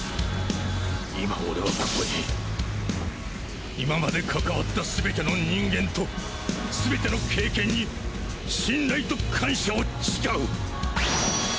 今俺はここに今まで関わったすべての人間とすべての経験に信頼と感謝を誓う。